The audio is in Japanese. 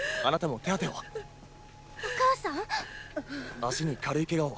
足に軽いケガを。